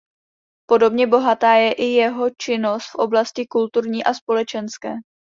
Podobně bohatá je i jeho činnost v oblasti kulturní a společenské.